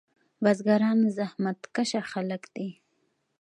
بزګران زحمت کشه خلک دي.